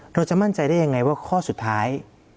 เราจะมั่นใจได้ยังไงว่าข้อสุดท้าย